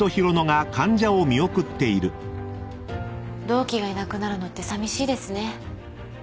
同期がいなくなるのってさみしいですね。